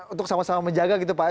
untuk sama sama menjaga gitu pak